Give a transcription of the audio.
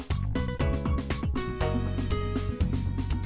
hẹn gặp lại